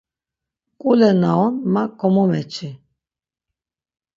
Mǩule na on ma komomeçi.